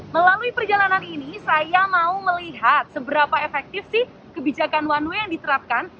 melalui perjalanan ini saya mau melihat seberapa efektif sih kebijakan one way yang diterapkan